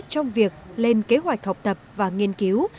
trong việc lên kế hoạch học tập và nghiên cứu